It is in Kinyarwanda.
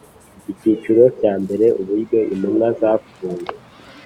Icyiciro cya mbere Uburyo intumwa zapfuye